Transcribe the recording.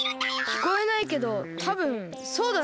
きこえないけどたぶんそうだな。